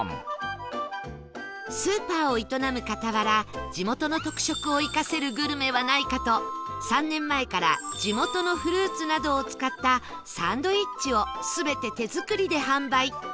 スーパーを営む傍ら地元の特色を生かせるグルメはないかと３年前から地元のフルーツなどを使ったサンドイッチを全て手作りで販売